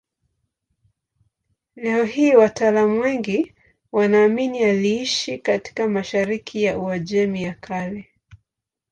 Leo hii wataalamu wengi wanaamini aliishi katika mashariki ya Uajemi ya Kale.